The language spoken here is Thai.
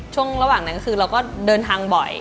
ช่วงระหว่างนั้นคือเราก็เดินทางบ่อย